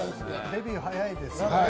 デビュー、早いですね。